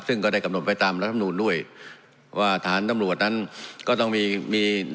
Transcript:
ซึ่งก็ได้กำหนดไปตามรัฐมนูลด้วยว่าฐานตำรวจนั้นก็ต้องมีมี